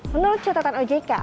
menurut catatan ojk